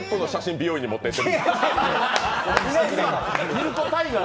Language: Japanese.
美容院に持っていって？